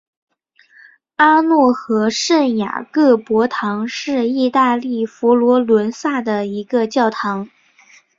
阿诺河圣雅各伯堂是意大利佛罗伦萨一个教堂。